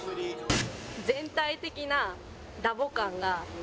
全体的な「ダボ感」